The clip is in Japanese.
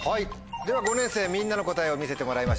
では５年生みんなの答えを見せてもらいましょう。